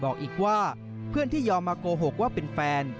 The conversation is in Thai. บอกอีกว่าเพื่อนที่ยอมมาโกหกว่าเป็นแฟน